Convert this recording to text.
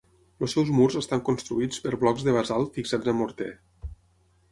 Els seus murs estan construïts per blocs de basalt fixats amb morter.